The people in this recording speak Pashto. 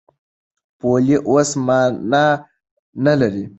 پولې اوس مانا نه لري.